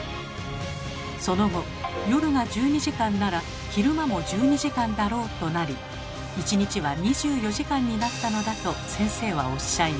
その後「夜が１２時間なら昼間も１２時間だろう」となり１日は２４時間になったのだと先生はおっしゃいます。